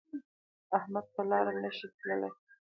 احمد په لاره نشي تللی